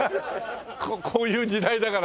こういう時代だからね。